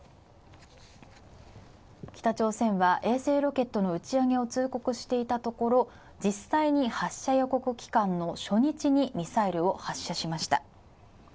北朝鮮は衛星ロケットの打ち上げを通告していたところ、実際に発射予告期間の初日にミサイルを発射しました。